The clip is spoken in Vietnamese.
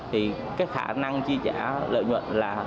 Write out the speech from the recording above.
thì cái khả năng chi trả lợi nhuận là